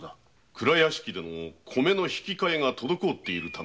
蔵屋敷での米の引き換えが滞っているためでございます。